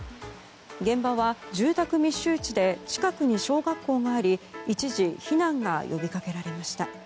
現場は住宅密集地で近くに小学校があり一時避難が呼びかけられました。